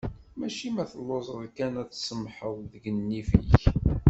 Mačči ma telluzeḍ kan ad tsemḥeḍ deg nnif-ik.